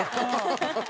ハハハハ！